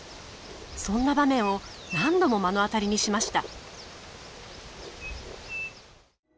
そんな場面を何度も目の当たりにしました。